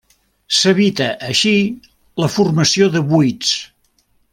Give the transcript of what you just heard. S'evita així la formació de buits.